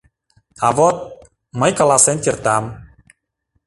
— А вот... мый каласен кертам.